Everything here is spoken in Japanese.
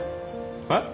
えっ？